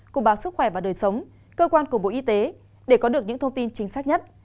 cục báo sức khỏe và đời sống cơ quan của bộ y tế để có được những thông tin chính xác nhất